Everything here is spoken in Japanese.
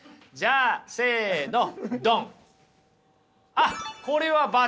あっこれは×。